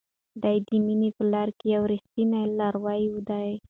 دی د مینې په لار کې یو ریښتینی لاروی دی.